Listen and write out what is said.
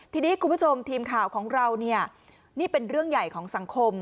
ทีนี้คุณผู้ชมทีมข่าวของเราเนี่ยนี่เป็นเรื่องใหญ่ของสังคม